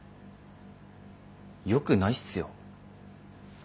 よくないすよ。